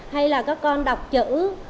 hay là các con đọc chữ